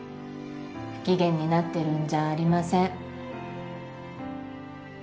不機嫌になってるんじゃありません！